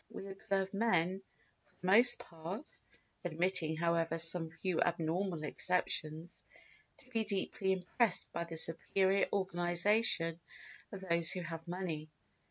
We observe men for the most part (admitting however some few abnormal exceptions) to be deeply impressed by the superior organisation of those who have money.